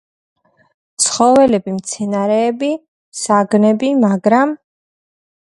ცხოველები, მცენარეები, საგნები, მაგრამ